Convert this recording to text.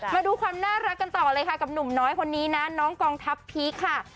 มาดูความน่ารักกันต่อเลยค่ะกับหนุ่มน้อยคนนี้นะน้องกองทัพพีคค่ะ